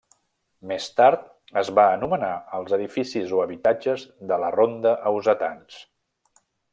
Més tard es va anomenar els edificis o habitatges de la Ronda Ausetans.